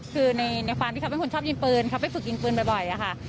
คือในความที่เขาเป็นคนชอบยิงปืนเขาไปฝึกยิงปืนบ่อยอะค่ะ